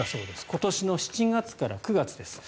今年７月から９月です。